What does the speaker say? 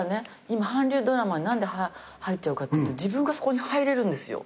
今韓流ドラマに何で入っちゃうかっていうと自分がそこに入れるんですよ。